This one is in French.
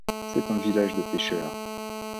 C'est un village de pêcheurs.